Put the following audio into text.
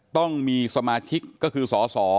ส่องมีสมชิกก็คือส่อ